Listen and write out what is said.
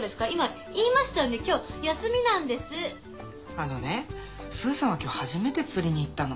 あのねスーさんは今日初めて釣りに行ったの。